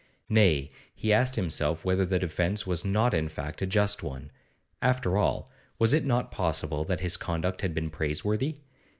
Nay, he asked himself whether the defence was not in fact a just one. After all, was it not possible that his conduct had been praiseworthy?